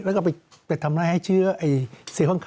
แล้วก็ไปทำลายให้เชื้อเซลล์ข้าง